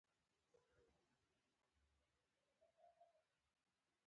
په غاړه کوم او باندې لیکم